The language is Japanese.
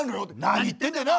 何言ってんだよな！